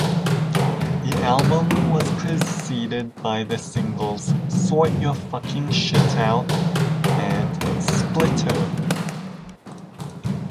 The album was preceded by the singles "Sort Your Fucking Shit Out" and "Splitter".